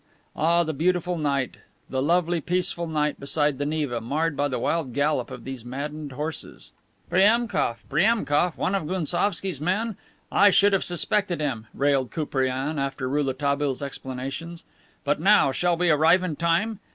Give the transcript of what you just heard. Ah, the beautiful night, the lovely, peaceful night beside the Neva, marred by the wild gallop of these maddened horses! "Priemkof! Priemkof! One of Gounsovski's men! I should have suspected him," railed Koupriane after Rouletabille's explanations. "But now, shall we arrive in time?"